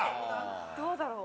どうだろう？